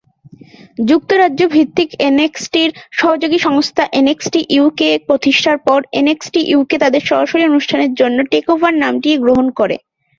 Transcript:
যুক্তরাজ্য ভিত্তিক এনএক্সটির সহযোগী সংস্থা এনএক্সটি ইউকে প্রতিষ্ঠার পর, এনএক্সটি ইউকে তাদের সরাসরি অনুষ্ঠানের জন্য টেকওভার নামটি গ্রহণ করে।